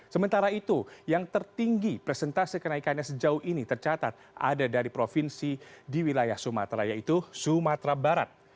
sementara itu yang tertinggi presentase kenaikannya sejauh ini tercatat ada dari provinsi di wilayah sumatera yaitu sumatera barat